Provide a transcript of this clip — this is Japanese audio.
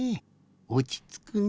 おちつくね。